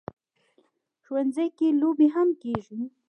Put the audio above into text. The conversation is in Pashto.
ښوونځی کې لوبې هم کېږي